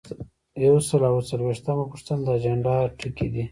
یو سل او اووه څلویښتمه پوښتنه د اجنډا ټکي دي.